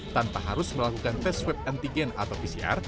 tanpa harus melakukan tes swab antigen atau pcr